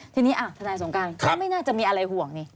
ทีนี้ทนายสงการก็ไม่น่าจะมีอะไรห่วงนี่